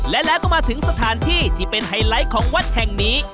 และแล้วก็มาถึงสถานที่ที่เป็นไฮไลท์ของวัดแห่งนี้